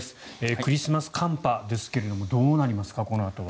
クリスマス寒波ですがどうなりますか、このあとは。